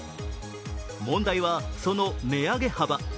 問題はその値上げ幅。